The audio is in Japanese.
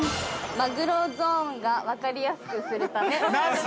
マグロゾーンが分かりやすくするため。